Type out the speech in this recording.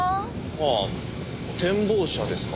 はあ展望車ですか。